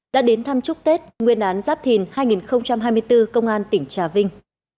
đã đến thăm chúc tết nguyên đán giáp thìn hai nghìn hai mươi bốn công an tỉnh trà vinh